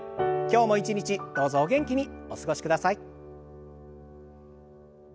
今日も一日どうぞお元気にお過ごしください。